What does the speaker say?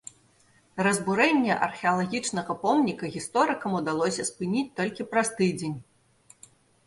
Разбурэнне археалагічнага помніка гісторыкам удалося спыніць толькі праз тыдзень.